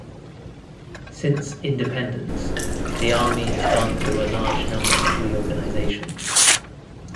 Since independence the army has gone through a large number of reorganisations.